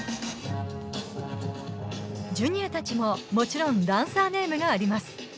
ジュニアたちも、もちろんダンサーネームがあります。